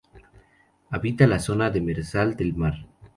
Habita la zona demersal del mar.